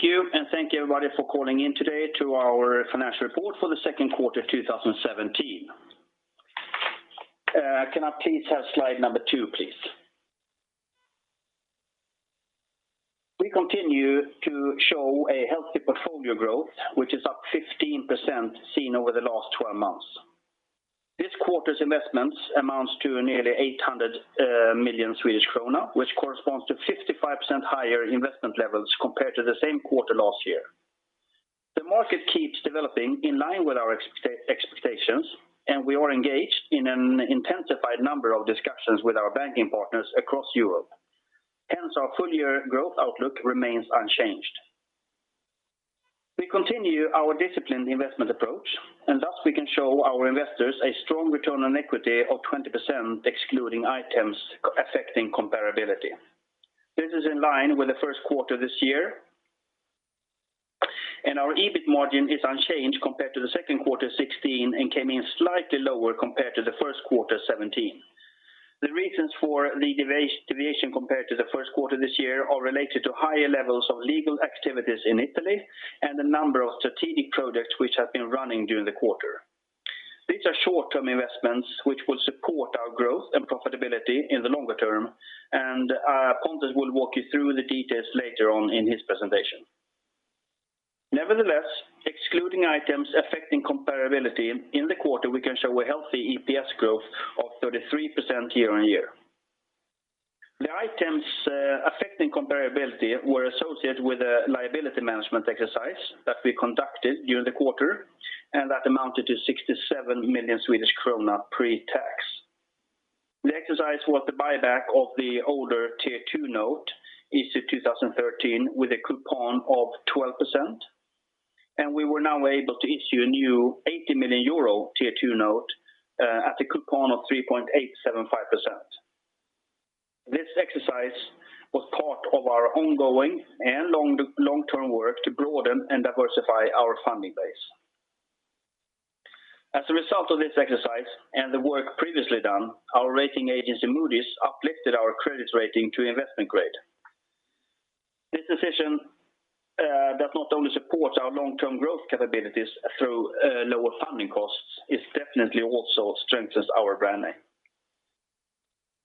Thank you, thank you everybody for calling in today to our financial report for the second quarter 2017. Can I please have slide number two, please? We continue to show a healthy portfolio growth, which is up 15% seen over the last 12 months. This quarter's investments amounts to nearly 800 million Swedish krona, which corresponds to 55% higher investment levels compared to the same quarter last year. The market keeps developing in line with our expectations. We are engaged in an intensified number of discussions with our banking partners across Europe. Hence, our full year growth outlook remains unchanged. We continue our disciplined investment approach. Thus we can show our investors a strong return on equity of 20% excluding items affecting comparability. This is in line with the first quarter this year. Our EBIT margin is unchanged compared to the second quarter 2016 and came in slightly lower compared to the first quarter 2017. The reasons for the deviation compared to the first quarter this year are related to higher levels of legal activities in Italy and a number of strategic projects which have been running during the quarter. These are short-term investments which will support our growth and profitability in the longer term. Pontus will walk you through the details later on in his presentation. Nevertheless, excluding items affecting comparability in the quarter, we can show a healthy EPS growth of 33% year-on-year. The items affecting comparability were associated with a liability management exercise that we conducted during the quarter. That amounted to 67 million Swedish krona pre-tax. The exercise was the buyback of the older Tier 2 note issued 2013 with a coupon of 12%. We were now able to issue a new 80 million euro Tier 2 note at a coupon of 3.875%. This exercise was part of our ongoing and long-term work to broaden and diversify our funding base. As a result of this exercise and the work previously done, our rating agency, Moody's, uplifted our credit rating to investment grade. This decision does not only support our long-term growth capabilities through lower funding costs. It definitely also strengthens our brand name.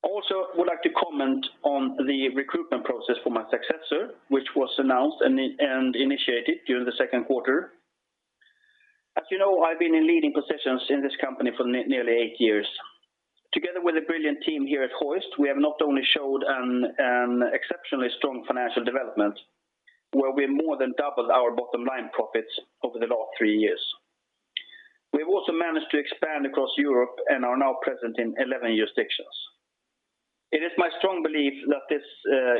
Also, would like to comment on the recruitment process for my successor, which was announced and initiated during the second quarter. As you know, I've been in leading positions in this company for nearly eight years. Together with a brilliant team here at Hoist, we have not only showed an exceptionally strong financial development where we more than doubled our bottom line profits over the last three years. We have also managed to expand across Europe and are now present in 11 jurisdictions. It is my strong belief that this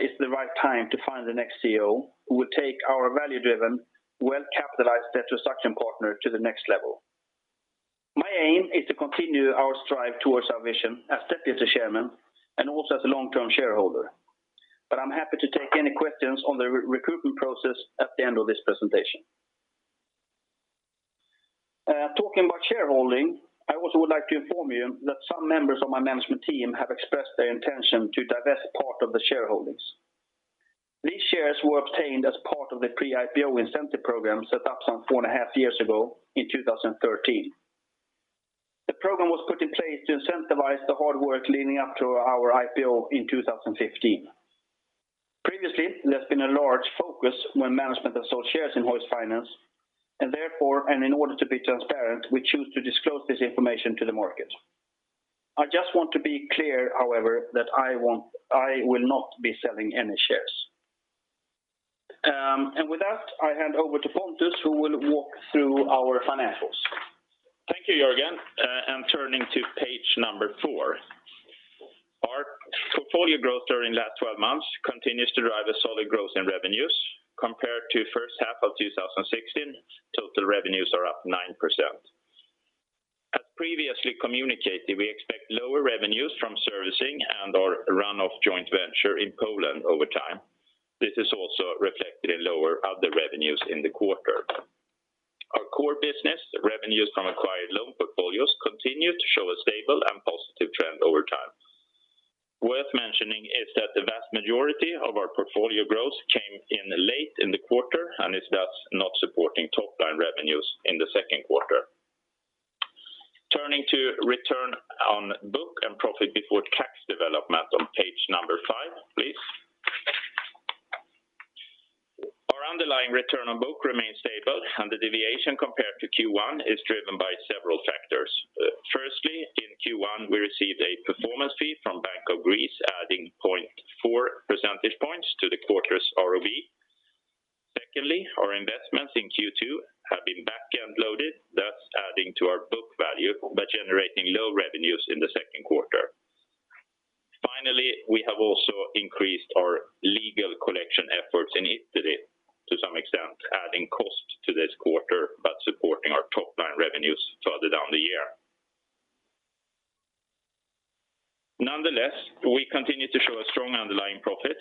is the right time to find the next CEO who will take our value-driven, well-capitalized debt collection partner to the next level. My aim is to continue our strive towards our vision as deputy chairman and also as a long-term shareholder. I'm happy to take any questions on the recruitment process at the end of this presentation. Talking about shareholding, I also would like to inform you that some members of my management team have expressed their intention to divest part of the shareholdings. These shares were obtained as part of the pre-IPO incentive program set up some four and a half years ago in 2013. The program was put in place to incentivize the hard work leading up to our IPO in 2015. Previously, there's been a large focus when management has sold shares in Hoist Finance, and therefore, and in order to be transparent, we choose to disclose this information to the market. I just want to be clear, however, that I will not be selling any shares. With that, I hand over to Pontus, who will walk through our financials. Thank you, Jörgen. I'm turning to page number four. Our portfolio growth during last 12 months continues to drive a solid growth in revenues. Compared to first half of 2016, total revenues are up 9%. As previously communicated, we expect lower revenues from servicing and our run-off joint venture in Poland over time. This is also reflected in lower other revenues in the quarter. Our core business revenues from acquired loan portfolios continue to show a stable and positive trend over time. Worth mentioning is that the vast majority of our portfolio growth came in late in the quarter and is thus not supporting top line revenues in the second quarter. Turning to Return on Book and profit before tax development on page number five, please. Our underlying Return on Book remains stable and the deviation compared to Q1 is driven by several factors. Firstly, in Q1, we received a performance fee from Bank of Greece, adding 0.4 percentage points to the quarter's ROE. Secondly, our investments in Q2 have been back-end loaded, thus adding to our book value by generating low revenues in the second quarter. Finally, we have also increased our legal collection efforts in Italy to some extent, adding cost to this quarter, but supporting our top line revenues further down the year. Nonetheless, we continue to show a strong underlying profit.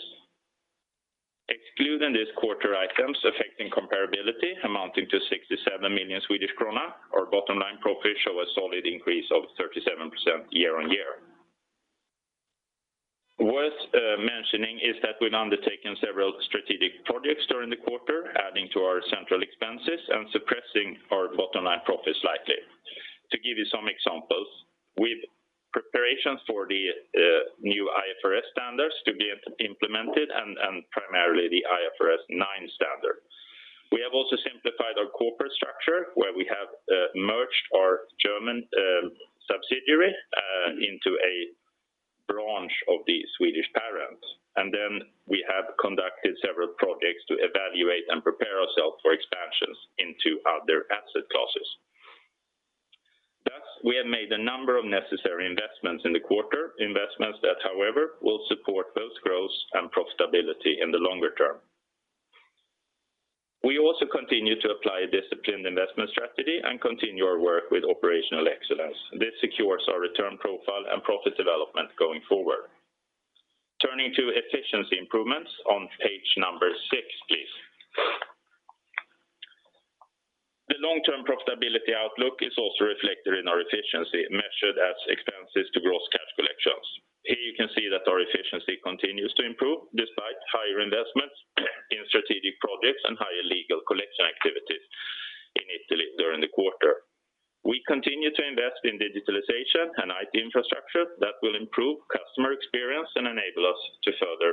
Excluding this quarter items affecting comparability amounting to 67 million Swedish krona, our bottom line profits show a solid increase of 37% year-on-year. Worth mentioning is that we've undertaken several strategic projects during the quarter, adding to our central expenses and suppressing our bottom-line profits slightly. To give you some examples, with preparations for the new IFRS standards to be implemented and primarily the IFRS 9 standard. We have also simplified our corporate structure, where we have merged our German subsidiary into a branch of the Swedish parent. Then we have conducted several projects to evaluate and prepare ourselves for expansions into other asset classes. Thus, we have made a number of necessary investments in the quarter, investments that, however, will support both growth and profitability in the longer term. We also continue to apply a disciplined investment strategy and continue our work with operational excellence. This secures our return profile and profit development going forward. Turning to efficiency improvements on page number six, please. The long-term profitability outlook is also reflected in our efficiency, measured as expenses to gross cash collections. Here you can see that our efficiency continues to improve despite higher investments in strategic projects and higher legal collection activities in Italy during the quarter. We continue to invest in digitalization and IT infrastructure that will improve customer experience and enable us to further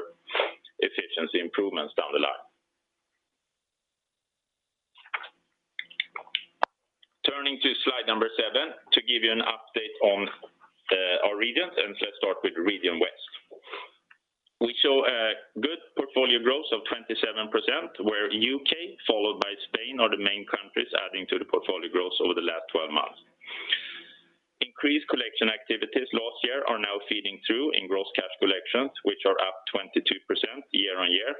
efficiency improvements down the line. Turning to slide number seven to give you an update on our regions. Let's start with Region West. We show a good portfolio growth of 27%, where U.K. followed by Spain are the main countries adding to the portfolio growth over the last 12 months. Increased collection activities last year are now feeding through in gross cash collections, which are up 22% year-on-year.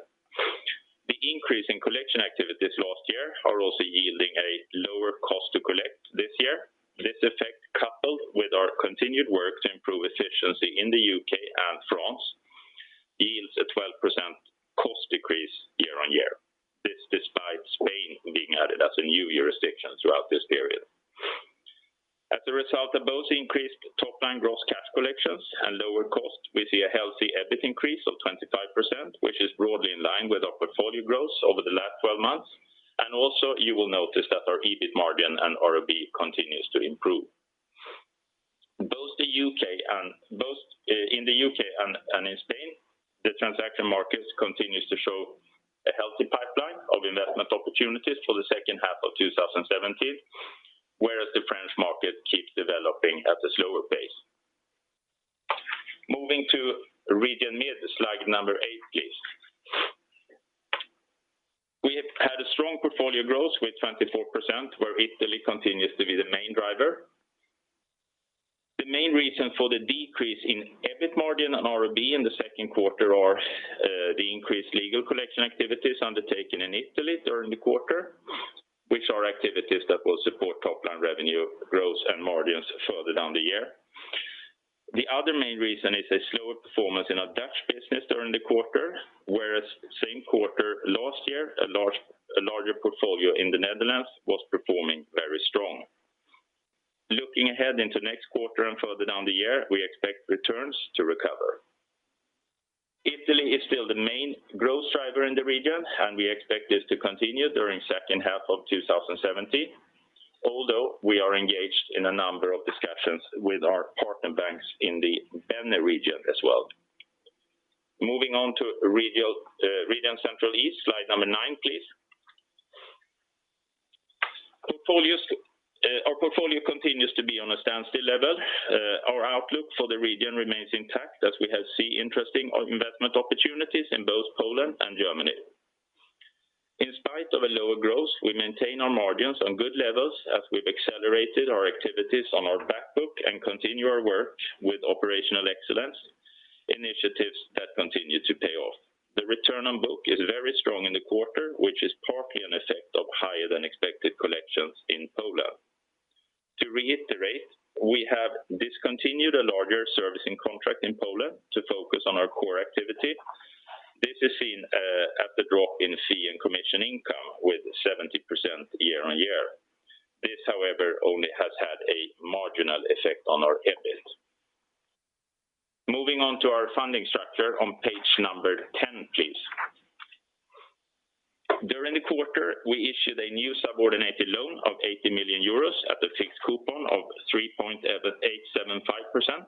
The increase in collection activities last year are also yielding a lower cost to collect this year. This effect, coupled with our continued work to improve efficiency in the U.K. and France, yields a 12% cost decrease year-on-year. This despite Spain being added as a new jurisdiction throughout this period. As a result of both increased top-line gross cash collections and lower costs, we see a healthy EBIT increase of 25%, which is broadly in line with our portfolio growth over the last 12 months. Also you will notice that our EBIT margin and RoB continues to improve. Both in the U.K. and in Spain, the transaction markets continues to show a healthy pipeline of investment opportunities for the second half of 2017, whereas the French market keeps developing at a slower pace. Moving to Region Mid, slide number eight, please. We have had a strong portfolio growth with 24%, where Italy continues to be the main driver. The main reason for the decrease in EBIT margin and RoB in the second quarter are the increased legal collection activities undertaken in Italy during the quarter, which are activities that will support top-line revenue growth and margins further down the year. The other main reason is a slower performance in our Dutch business during the quarter, whereas same quarter last year, a larger portfolio in the Netherlands was performing very strong. Looking ahead into next quarter and further down the year, we expect returns to recover. Italy is still the main growth driver in the region, and we expect this to continue during second half of 2017, although we are engaged in a number of discussions with our partner banks in the Benelux region as well. Moving on to Region Central East, slide number nine, please. Our portfolio continues to be on a standstill level. Our outlook for the region remains intact as we have seen interesting investment opportunities in both Poland and Germany. In spite of a lower growth, we maintain our margins on good levels as we've accelerated our activities on our back book and continue our work with operational excellence initiatives that continue to pay off. The Return on Book is very strong in the quarter, which is partly an effect of higher than expected collections in Poland. To reiterate, we have discontinued a larger servicing contract in Poland to focus on our core activity. This is seen at the drop in fee and commission income with 70% year-on-year. This, however, only has had a marginal effect on our EBIT. Moving on to our funding structure on page number 10, please. During the quarter, we issued a new subordinated loan of 80 million euros at a fixed coupon of 3.875%.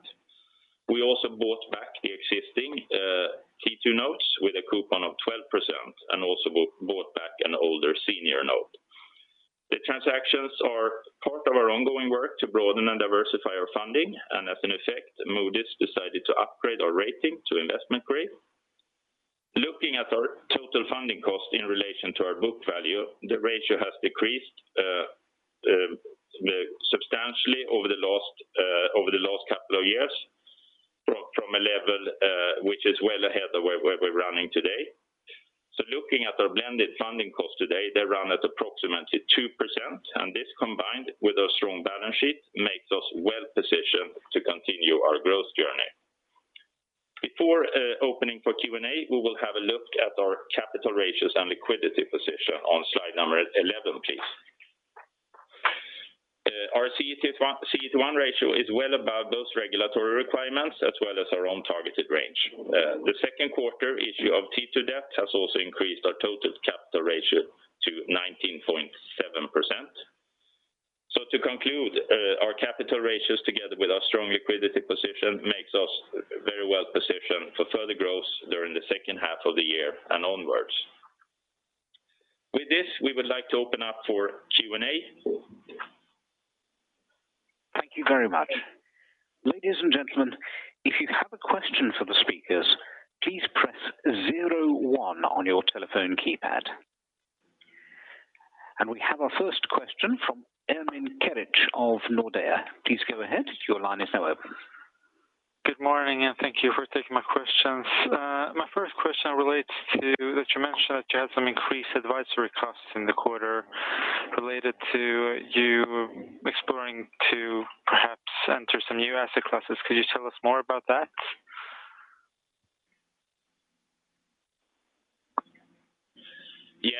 We also bought back the existing T2 notes with a coupon of 12% and also bought back an older senior note. The transactions are part of our ongoing work to broaden and diversify our funding, and as an effect, Moody's decided to upgrade our rating to investment grade. Looking at our total funding cost in relation to our book value, the ratio has decreased substantially over the last couple of years from a level which is well ahead of where we're running today. Looking at our blended funding cost today, they run at approximately 2%, and this combined with our strong balance sheet makes us well-positioned to continue our growth journey. Before opening for Q&A, we will have a look at our capital ratios and liquidity position on slide number 11, please. Our CET1 ratio is well above those regulatory requirements as well as our own targeted range. The second quarter issue of T2 debt has also increased our total capital ratio to 19.7%. To conclude, our capital ratios together with our strong liquidity position makes us very well-positioned for further growth during the second half of the year and onwards. With this, we would like to open up for Q&A. Thank you very much. Ladies and gentlemen, if you have a question for the speakers, please press zero one on your telephone keypad. We have our first question from Ermin Keric of Nordea. Please go ahead. Your line is now open. Good morning, thank you for taking my questions. My first question relates to that you mentioned that you had some increased advisory costs in the quarter related to you exploring to perhaps enter some new asset classes. Could you tell us more about that? Yeah.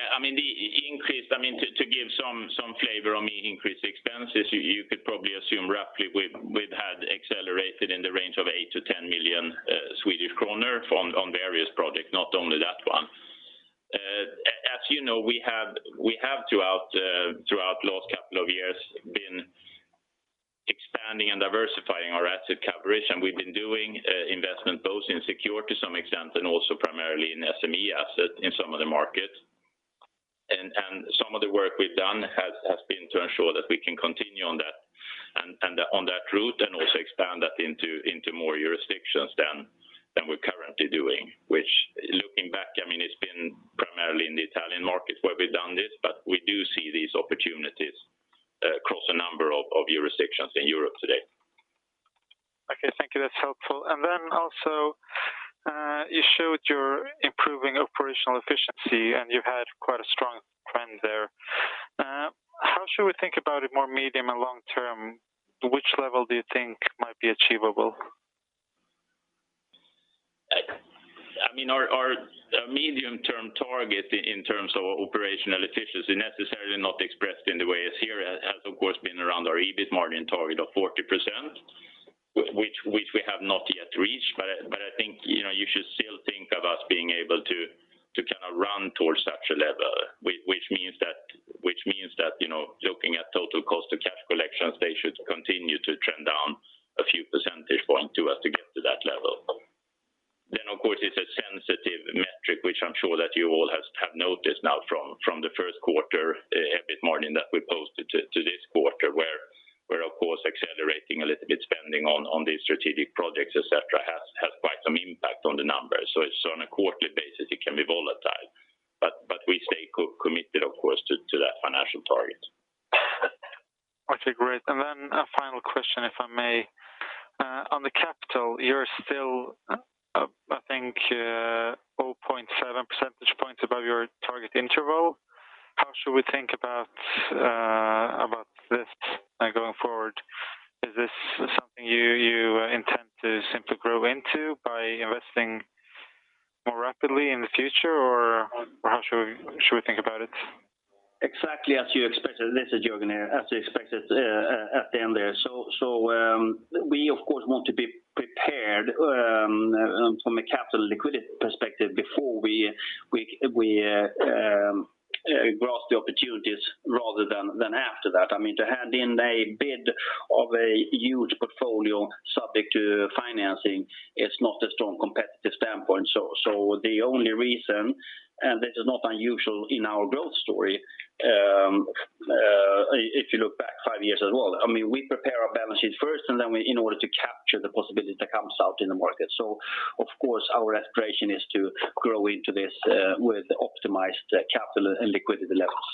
To give some flavor on the increased expenses, you could probably assume roughly we've had accelerated in the range of 8 million-10 million Swedish kronor from various projects, not only that one. As you know, we have throughout last couple of years been expanding and diversifying our asset coverage, and we've been doing investment both in secure to some extent and also primarily in SME asset in some of the markets. Some of the work we've done has been to ensure that we can continue on that route and also expand that into more jurisdictions than we're currently doing, which looking back, it's been primarily in the Italian markets where we've done this, but we do see these opportunities across a number of jurisdictions in Europe today. Okay, thank you. That's helpful. Also, you showed your improving operational efficiency, and you had quite a strong trend there. How should we think about it more medium and long term? Which level do you think might be achievable? Our medium-term target in terms of operational efficiency, necessarily not expressed in the way as here has, of course, been around our EBIT margin target of 40%, which we have not yet reached, but I think you should still think of us being able to run towards such a level, which means that looking at total cost to cash collections, they should continue to trend down a few percentage point to us to get to that level. Of course, it's a sensitive metric, which I'm sure that you all have noticed now from the first quarter EBIT margin that we posted to this quarter where, of course, accelerating a little bit spending on these strategic projects, et cetera, has quite some impact on the numbers. It's on a quarterly basis, it can be volatile. We stay committed, of course, to that financial target. Okay, great. A final question, if I may. On the capital, you're still, I think, 0.7 percentage points above your target interval. How should we think about this going forward? Is this something you intend to simply grow into by investing more rapidly in the future, or how should we think about it? Exactly as you expected, this is Jörgen here, as you expected at the end there. We of course want to be prepared from a capital liquidity perspective before we grasp the opportunities rather than after that. To hand in a bid of a huge portfolio subject to financing is not a strong competitive standpoint. The only reason, and this is not unusual in our growth story if you look back five years as well. We prepare our balance sheet first in order to capture the possibility that comes out in the market. Of course, our aspiration is to grow into this with optimized capital and liquidity levels.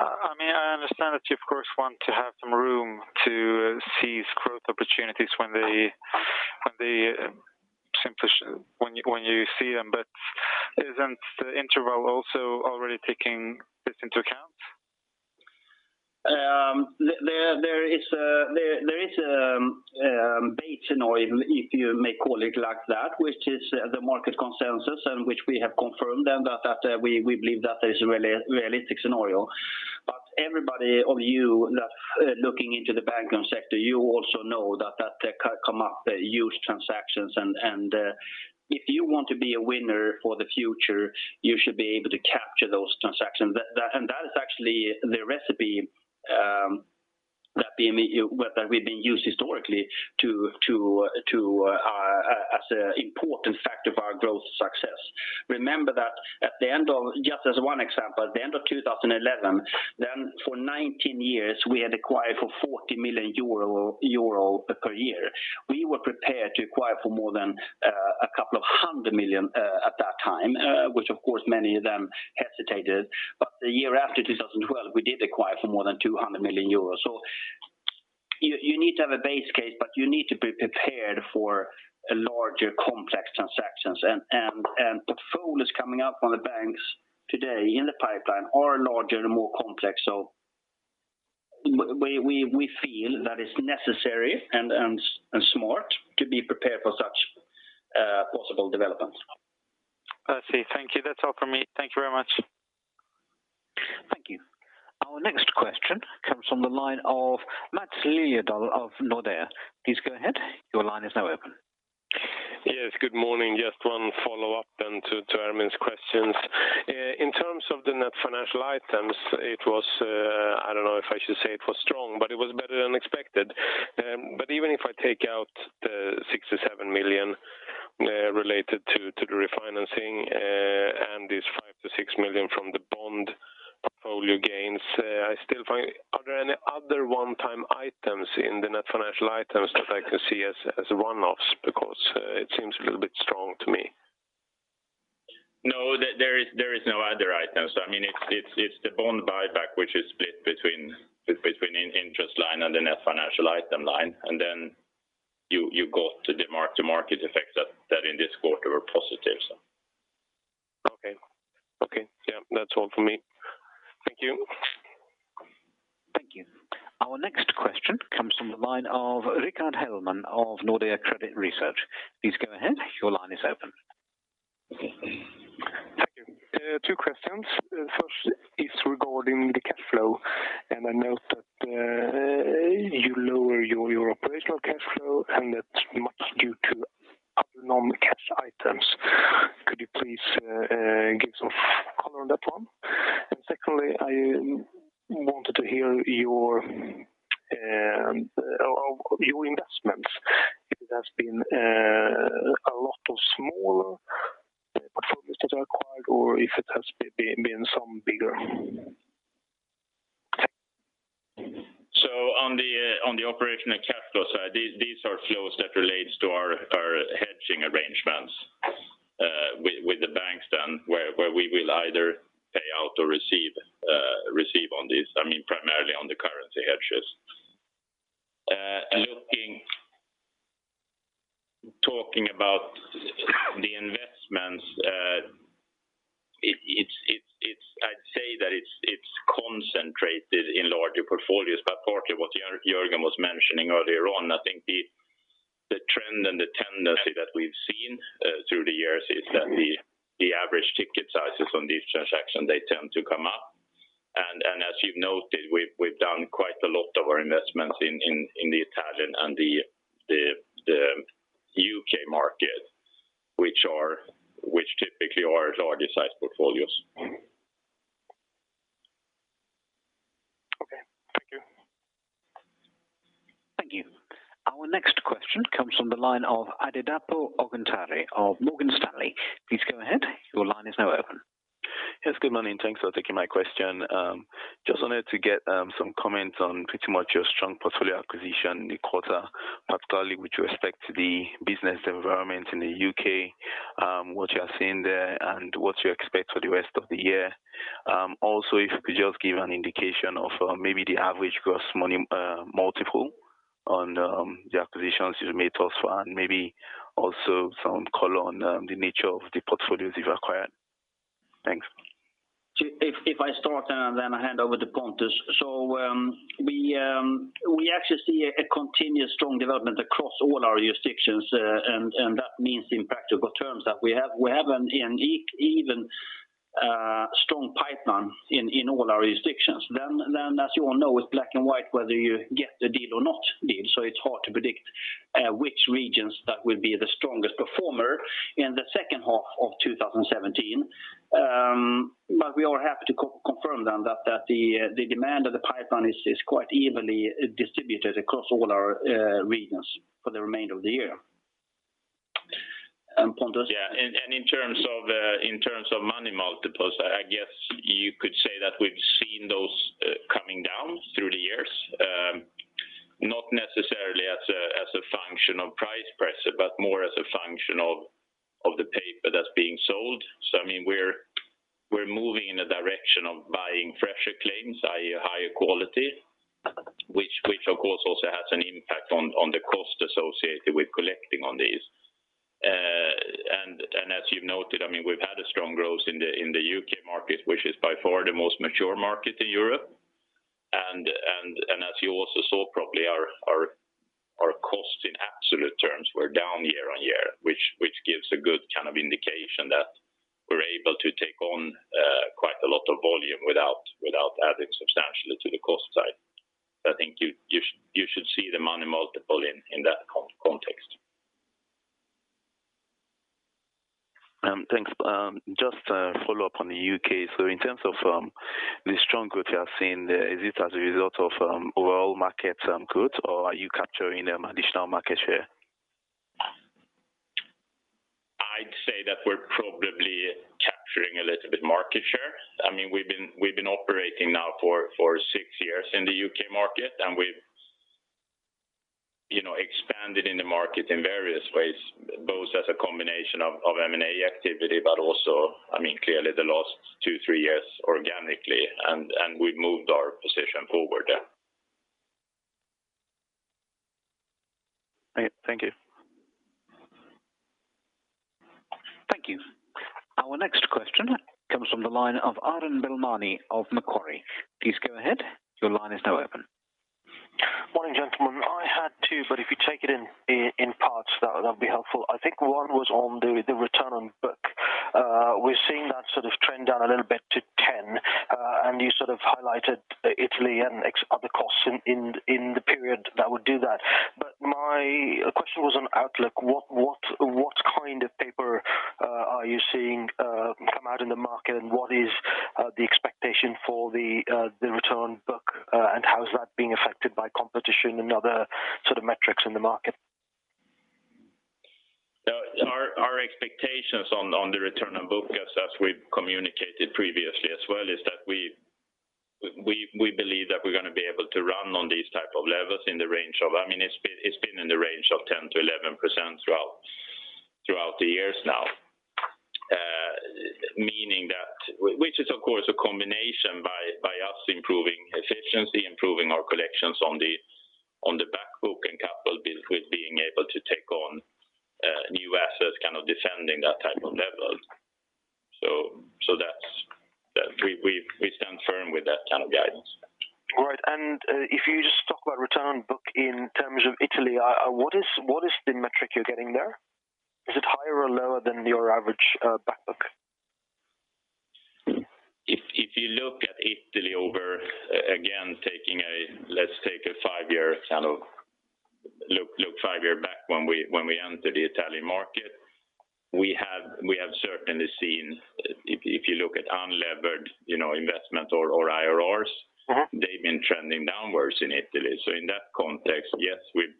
I understand that you of course want to have some room to seize growth opportunities when you see them, isn't the interval also already taking this into account? There is a base scenario, if you may call it like that, which is the market consensus and which we have confirmed, and that we believe that is a realistic scenario. Everybody of you that looking into the banking sector, you also know that that come up huge transactions, and if you want to be a winner for the future, you should be able to capture those transactions. That is actually the recipe that we've been used historically as an important factor of our growth success. Remember that just as one example, at the end of 2011, for 19 years, we had acquired for 40 million euro per year. We were prepared to acquire for more than a couple of hundred million at that time, which of course many of them hesitated. The year after 2012, we did acquire for more than 200 million euros. You need to have a base case, you need to be prepared for larger complex transactions, portfolios coming up on the banks today in the pipeline are larger and more complex. We feel that it's necessary and smart to be prepared for such possible developments. I see. Thank you. That's all from me. Thank you very much. Thank you. Our next question comes from the line of Mats Lidell of Nordea. Please go ahead. Your line is now open. Good morning. Just one follow-up then to Ermin's questions. In terms of the net financial items, it was, I don't know if I should say it was strong, but it was better than expected. Even if I take out the 67 million related to the refinancing and these 5 million-6 million from the bond portfolio gains, are there any other one-time items in the net financial items that I can see as one-offs? It seems a little bit strong to me. There is no other items. It's the bond buyback which is split between interest line and the net financial item line. Then you got the mark-to-market effects that in this quarter were positive. Okay. Yeah. That's all from me. Thank you. Thank you. Our next question comes from the line of Rickard Hellman of Nordea Credit Research. Please go ahead. Your line is open. Thank you. Two questions. First is regarding the cash flow. I note that you lower your operational cash flow and that's much due to other non-cash items. Could you please give some color on that one? Secondly, I wanted to hear your investments. If it has been a lot of small portfolios that are acquired or if it has been some bigger. On the operational cash flow side, these are flows that relates to our hedging arrangements with the banks then where we will either pay out or receive on these, primarily on the currency hedges. Talking about the investments, I'd say that it's concentrated in larger portfolios, but partly what Jörgen was mentioning earlier on, I think the trend and the tendency that we've seen through the years is that the average ticket sizes on these transactions, they tend to come up. As you've noted, we've done quite a lot of our investments in the Italian and the U.K. market, which typically are larger size portfolios. Okay. Thank you. Thank you. Our next question comes from the line of Adedapo Oguntade of Morgan Stanley. Please go ahead. Your line is now open. Yes, good morning. Thanks for taking my question. Just wanted to get some comments on pretty much your strong portfolio acquisition in the quarter, particularly with respect to the business environment in the U.K., what you are seeing there, and what you expect for the rest of the year. Also if you could just give an indication of maybe the average gross money multiple on the acquisitions you've made thus far, and maybe also some color on the nature of the portfolios you've acquired. Thanks. If I start, then I hand over to Pontus. We actually see a continuous strong development across all our jurisdictions, and that means in practical terms that we have an even strong pipeline in all our jurisdictions. As you all know, it's black and white whether you get the deal or not deal. It's hard to predict which regions that will be the strongest performer in the second half of 2017. We are happy to confirm then that the demand of the pipeline is quite evenly distributed across all our regions for the remainder of the year. Pontus? Yeah. In terms of money multiples, I guess you could say that we've seen those coming down through the years. Not necessarily as a function of price per se, but more as a function of the paper that's being sold. We're moving in a direction of buying fresher claims, i.e. higher quality. Which of course also has an impact on the cost associated with collecting on these. As you've noted, we've had a strong growth in the U.K. market, which is by far the most mature market in Europe. As you also saw probably, our cost in absolute terms were down year-on-year, which gives a good kind of indication that we're able to take on quite a lot of volume without adding substantially to the cost side. I think you should see the money multiple in that context. Thanks. Just a follow-up on the U.K. In terms of the strong growth you are seeing there, is it as a result of overall markets good, or are you capturing additional market share? I'd say that we're probably capturing a little bit market share. We've been operating now for six years in the U.K. market, we've expanded in the market in various ways, both as a combination of M&A activity, also clearly the last two, three years organically, we've moved our position forward there. Right. Thank you. Thank you. Our next question comes from the line of Arun Bilmani of Macquarie. Please go ahead. Your line is now open. Morning, gentlemen. I had two. If you take it in parts, that would be helpful. I think one was on the Return on Book. We're seeing that sort of trend down a little bit to 10, and you sort of highlighted Italy and other costs in the period that would do that. My question was on outlook. What kind of paper are you seeing come out in the market, and what is the expectation for the Return on Book? How is that being affected by competition and other sort of metrics in the market? Our expectations on the Return on Book, as we've communicated previously as well, is that we believe that we're going to be able to run on these type of levels. It's been in the range of 10%-11% throughout the years now. Which is of course a combination by us improving efficiency, improving our collections on the back book coupled with being able to take on new assets kind of defending that type of levels. We stand firm with that kind of guidance. All right. If you just talk about Return on Book in terms of Italy, what is the metric you're getting there? Is it higher or lower than your average back book? If you look at Italy over, again, let's take a five-year kind of look back when we entered the Italian market. We have certainly seen if you look at unlevered investment or IRRs. They've been trending downwards in Italy. In that context, yes, we've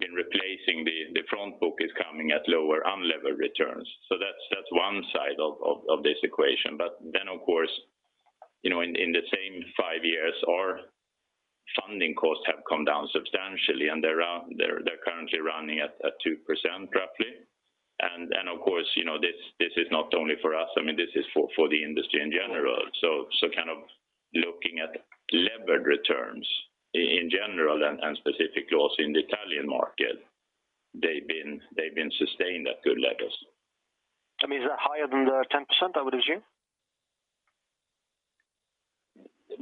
been replacing the front book is coming at lower unlevered returns. That's one side of this equation. Of course, in the same five years, our funding costs have come down substantially, and they're currently running at 2% roughly. Of course, this is not only for us, this is for the industry in general. Kind of looking at levered returns in general and specifically also in the Italian market, they've been sustained at good levels. Is that higher than the 10%, I would assume?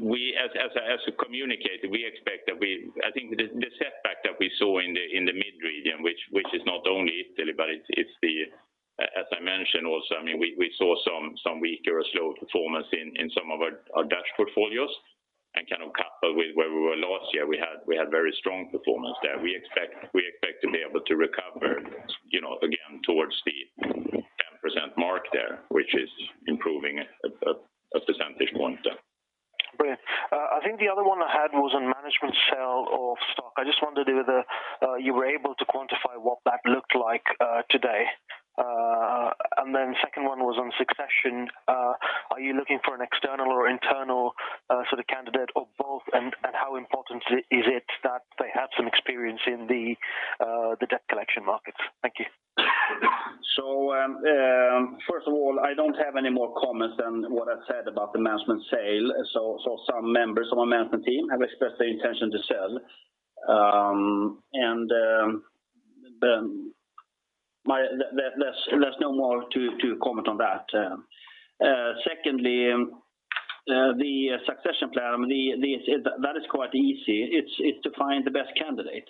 As we communicated, I think the setback that we saw in the Region Mid, which is not only Italy. As I mentioned also, we saw some weaker or slower performance in some of our Dutch portfolios and kind of coupled with where we were last year, we had very strong performance there. We expect to be able to recover, again, towards the 10% mark there, which is improving at a substantial point there. Brilliant. I think the other one I had was on management sale of stock. I just wondered whether you were able to quantify what that looked like today. Second one was on succession. Are you looking for an external or internal sort of candidate or both? How important is it that they have some experience in the debt collection markets? Thank you. First of all, I don't have any more comments than what I've said about the management sale. Some members of my management team have expressed their intention to sell. There's no more to comment on that. Secondly, the succession plan. That is quite easy. It's to find the best candidate.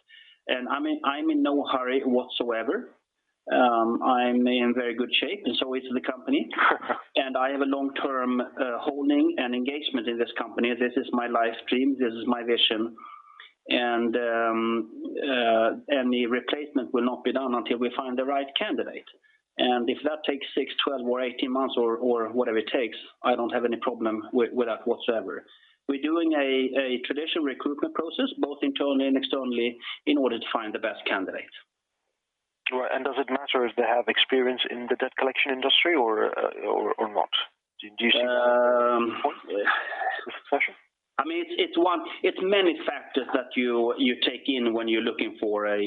I'm in no hurry whatsoever. I'm in very good shape and so is the company. I have a long-term holding and engagement in this company. This is my life's dream. This is my vision. Any replacement will not be done until we find the right candidate. If that takes 6, 12 or 18 months or whatever it takes, I don't have any problem with that whatsoever. We're doing a traditional recruitment process, both internally and externally, in order to find the best candidate. Right. Does it matter if they have experience in the debt collection industry or not? Do you see that as important for succession? It's many factors that you take in when you're looking for a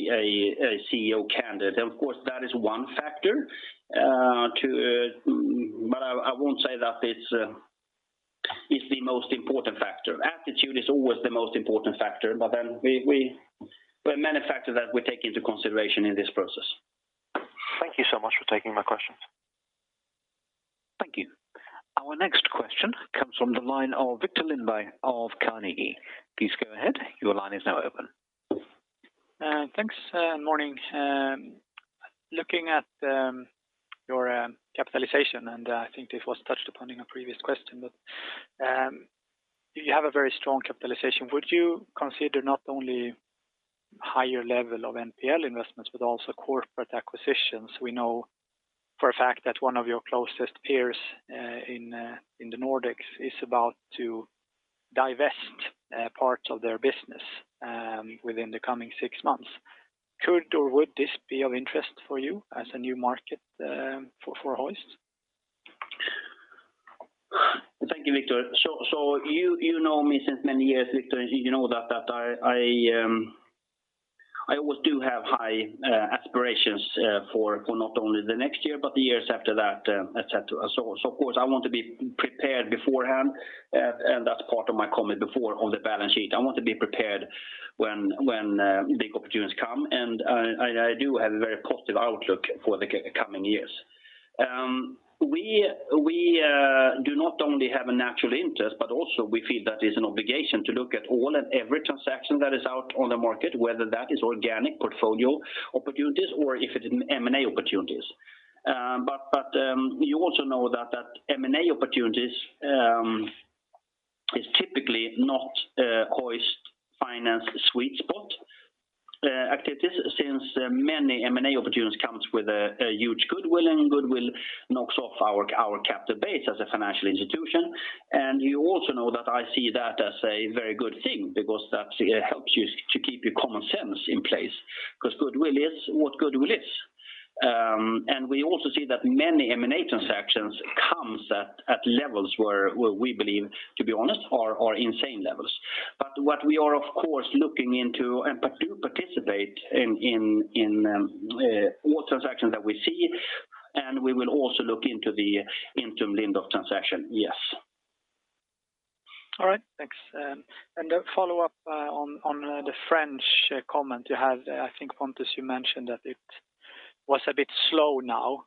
CEO candidate. Of course, that is one factor. I won't say that it's the most important factor. Attitude is always the most important factor. There are many factors that we take into consideration in this process. Thank you so much for taking my questions. Thank you. Our next question comes from the line of Viktor Lindeberg of Carnegie. Please go ahead. Your line is now open. Thanks. Morning. Looking at your capitalization, and I think this was touched upon in a previous question, but you have a very strong capitalization. Would you consider not only higher level of NPL investments but also corporate acquisitions? We know for a fact that one of your closest peers in the Nordics is about to divest parts of their business within the coming six months. Could or would this be of interest for you as a new market for Hoist? Thank you, Viktor. You know me since many years, Viktor, and you know that I always do have high aspirations for not only the next year, but the years after that, et cetera. Of course, I want to be prepared beforehand, and that's part of my comment before on the balance sheet. I want to be prepared when big opportunities come, and I do have a very positive outlook for the coming years. We do not only have a natural interest, we also feel that it's an obligation to look at all and every transaction that is out on the market, whether that is organic portfolio opportunities or if it is M&A opportunities. You also know that M&A opportunities is typically not Hoist Finance sweet spot activities, since many M&A opportunities comes with a huge goodwill and goodwill knocks off our capital base as a financial institution. You also know that I see that as a very good thing because that helps you to keep your common sense in place, because goodwill is what goodwill is. We also see that many M&A transactions comes at levels where we believe, to be honest, are insane levels. What we are, of course, looking into and do participate in all transactions that we see, we will also look into the Intrum Lindorff transaction, yes. All right, thanks. A follow-up on the French comment you had. I think, Pontus, you mentioned that it was a bit slow now.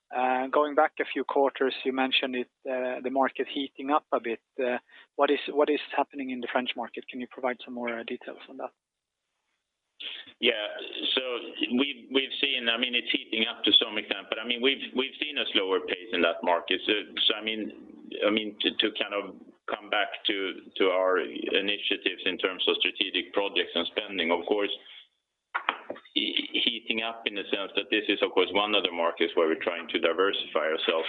Going back a few quarters, you mentioned the market heating up a bit. What is happening in the French market? Can you provide some more details on that? Yeah. It's heating up to some extent, we've seen a slower pace in that market. To come back to our initiatives in terms of strategic projects and spending, of course, heating up in the sense that this is one of the markets where we're trying to diversify ourselves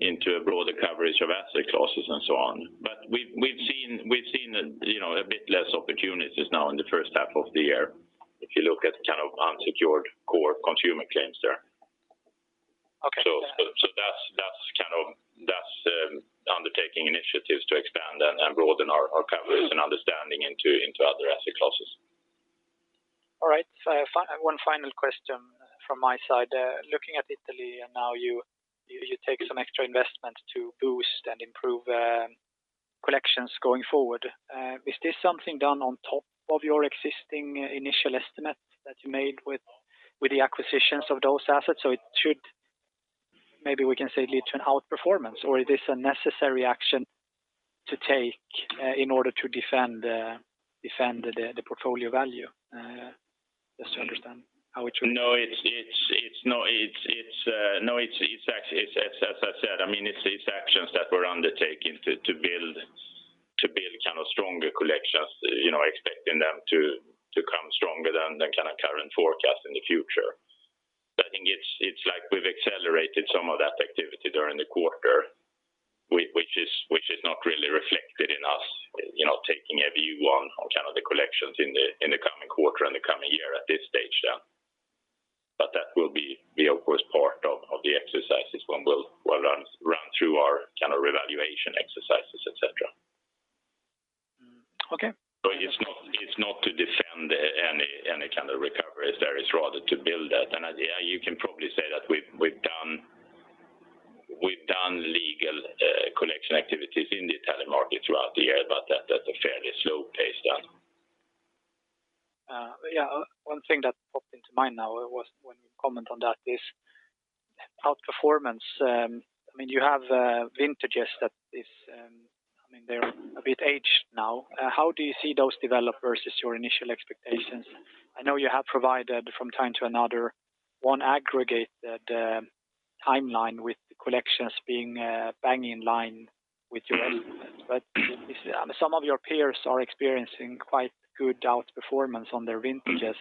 into a broader coverage of asset classes and so on. We've seen a bit less opportunities now in the first half of the year if you look at unsecured core consumer claims there. Okay. That's undertaking initiatives to expand and broaden our coverage and understanding into other asset classes. All right. One final question from my side. Looking at Italy and now you take some extra investment to boost and improve collections going forward, is this something done on top of your existing initial estimate that you made with the acquisitions of those assets? So it should, maybe we can say, lead to an outperformance, or is this a necessary action to take in order to defend the portfolio value? No, as I said, it's actions that we're undertaking to build stronger collections, expecting them to come stronger than the current forecast in the future. I think it's like we've accelerated some of that activity during the quarter, which is not really reflected in us taking a view on the collections in the coming quarter and the coming year at this stage then. That will be of course part of the exercises when we'll run through our revaluation exercises, et cetera. Okay. It's not to defend any kind of recoveries there. It's rather to build that. You can probably say that we've done legal collection activities in the Italian market throughout the year, but at a fairly slow pace then. Yeah. One thing that popped into mind now was when you comment on that is outperformance. You have vintages that they are a bit aged now. How do you see those develop versus your initial expectations? I know you have provided from time to another one aggregate that timeline with collections being bang in line with your elements. Some of your peers are experiencing quite good outperformance on their vintages.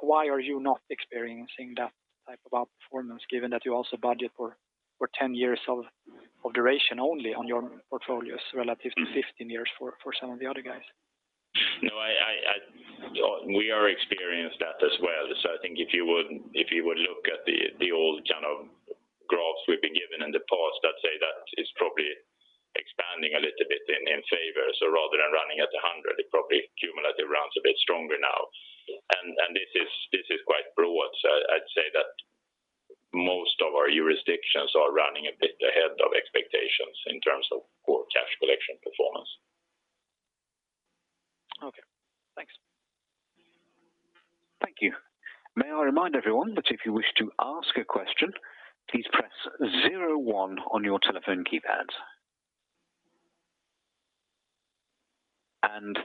Why are you not experiencing that type of outperformance given that you also budget for 10 years of duration only on your portfolios relative to 15 years for some of the other guys? No, we are experiencing that as well. I think if you would look at the old kind of graphs we have been given in the past that say that it is probably expanding a little bit in favor. Rather than running at 100, it probably cumulative runs a bit stronger now. This is quite broad. I would say that most of our jurisdictions are running a bit ahead of expectations in terms of core cash collection performance. Okay, thanks. Thank you. May I remind everyone that if you wish to ask a question, please press 01 on your telephone keypad.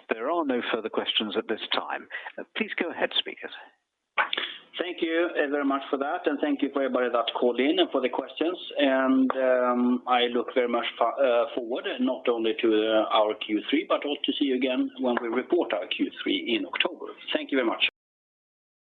There are no further questions at this time. Please go ahead, speakers. Thank you very much for that, and thank you for everybody that called in and for the questions. I look very much forward, not only to our Q3, but also to see you again when we report our Q3 in October. Thank you very much.